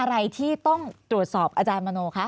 อะไรที่ต้องตรวจสอบอาจารย์มโนคะ